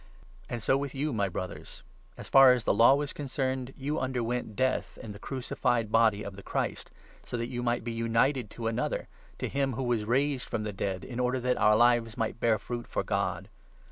And so with you, my 4 Brothers ; as far as the Law was concerned, you underwent death in the crucified body of the Christ, so that you might be united to another, to him who was raised from the dead, in order that our lives might bear fruit for God.